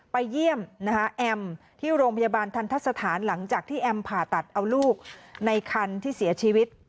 ไปเยี่ยมแอมที่โรงพยาบาลทันทะสถานหลังจากที่แอมผ่าตัดเอาลูกในคันที่เสียชีวิต